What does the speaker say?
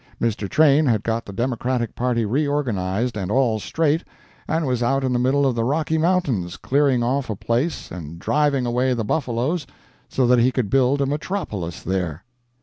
Mr. Train had got the Democratic party reorganized and all straight, and was out in the middle of the Rocky Mountains clearing off a place and driving away the buffaloes, so that he could build a metropolis there.